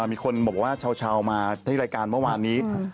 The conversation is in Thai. มีคนบอกว่าเช้ามาที่รายการเมื่อวานนี้